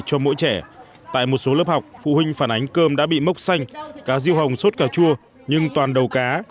cho mỗi trẻ tại một số lớp học phụ huynh phản ánh cơm đã bị mốc xanh cá riêu hồng sốt cà chua nhưng toàn đầu cá